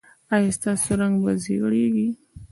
ایا ستاسو رنګ به زیړیږي؟